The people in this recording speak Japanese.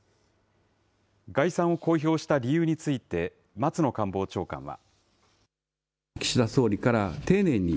概算を公表した理由について、松野官房長官は。